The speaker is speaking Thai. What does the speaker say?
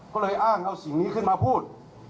ก็เลยอ้างเอาสิ่งนี้ขึ้นมาพูด